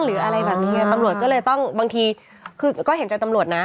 หรืออะไรแบบนี้ตำรวจก็เลยต้องบางทีคือก็เห็นใจตำรวจนะ